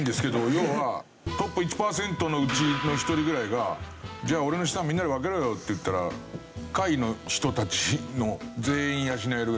要はトップ１パーセントのうちの１人ぐらいが「じゃあ俺の資産みんなで分けろよ」って言ったら下位の人たちの全員養えるぐらいの。